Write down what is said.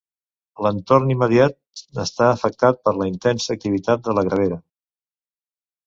L'entorn immediat està afectat per la intensa activitat de la gravera.